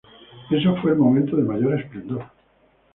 Ese fue el momento de mayor esplendor.